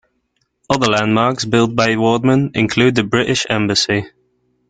Other landmarks built by Wardman include the British Embassy.